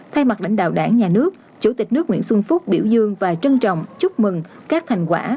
thay mặt lãnh đạo đảng nhà nước chủ tịch nước nguyễn xuân phúc biểu dương và trân trọng chúc mừng các thành quả